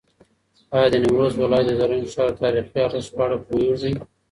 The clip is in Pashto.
ایا د نیمروز ولایت د زرنج ښار د تاریخي ارزښت په اړه پوهېږې؟